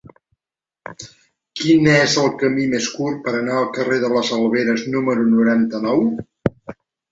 Quin és el camí més curt per anar al carrer de les Alberes número noranta-nou?